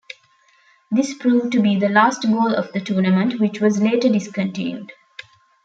This proved to be the last goal of the tournament, which was later discontinued.